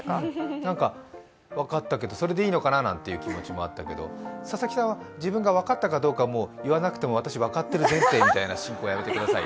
なんか分かったけどそれでいいのかなという気持ちもあったけど、佐々木さんは自分が分かったかどうか言わなくても、私、分かってる前提みたいな進行やめてください。